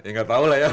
ya gak tau lah ya